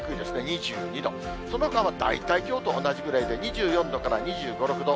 ２２度、そのほかも大体きょうと同じぐらいで、２４度から２５、６度。